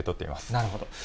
なるほど。